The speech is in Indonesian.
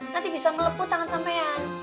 nanti bisa meleput tangan sampean